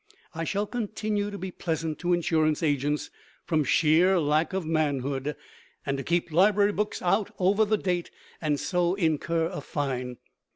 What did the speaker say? I shall continue to be pleasant to insurance agents, from sheer lack of manhood; and to keep library books out over the date and so incur a fine.